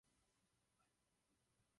Eriksson stále držel třetí pozici.